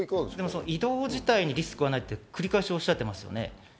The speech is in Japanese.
移動自体にリスクはないと繰り返しおっしゃっていますね。